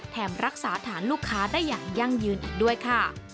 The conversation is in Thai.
รักษาฐานลูกค้าได้อย่างยั่งยืนอีกด้วยค่ะ